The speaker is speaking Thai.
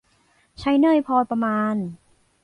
ใช้เนยพอประมาณ